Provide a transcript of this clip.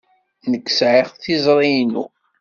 Nekk sɛiɣ tiẓri-inu.